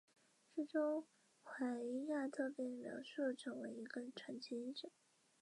平安保险旗下的平安人寿及西京投资亦有入股金利丰金融。